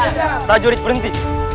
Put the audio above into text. tidak jurid berhenti